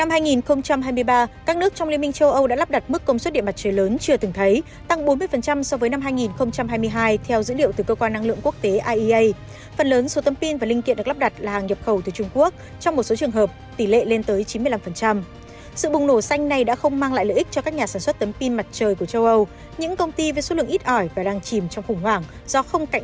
hãy đăng ký kênh để ủng hộ kênh của chúng mình nhé